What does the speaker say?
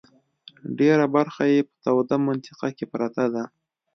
ډېره برخه یې په توده منطقه کې پرته ده.